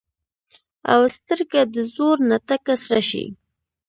او سترګه د زور نه تکه سره شي